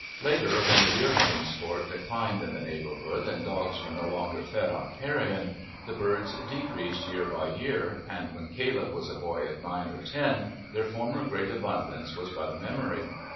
Later, when the deer hunting sport declined in the neighbourhood, and dogs were no longer fed on carrion, the birds decreased year by year, and when Caleb was a boy of nine or ten their former great abundance was but a memory.